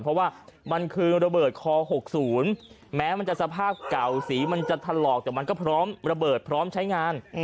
เพราะว่ามันคือระเบิดคอ๖๐แม้มันจะสภาพเก่าสีมันจะถลอกแต่มันก็พร้อมระเบิดพร้อมใช้งาน